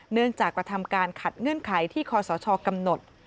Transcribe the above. เนื่องจากประทำการณ์ขัดเงื่อนไขที่คอสชกำหนด